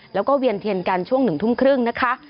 แล้วก็เวียนเทียนกันช่วง๑ทุ่มครึ่งนะคะ